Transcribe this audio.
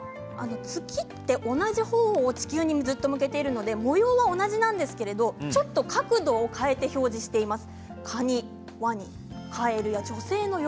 月って同じ方をずっと地球に向けているので模様は同じなんですけど角度を変えて表示しています。